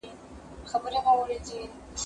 ليک د زده کوونکي له خوا لوستل کيږي!